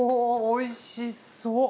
おいしそう。